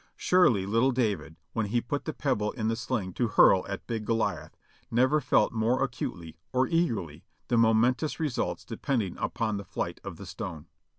Surely little David, when he put the pebble in the sling to hurl at big Goliath, never felt more acutely or eagerly the momentous results depending" upon the flight of the stone.